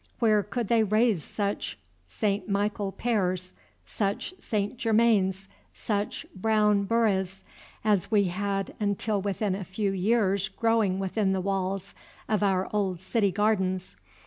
Where could they raise such Saint Michael pears, such Saint Germains, such Brown Beurres, as we had until within a few years growing within the walls of our old city gardens?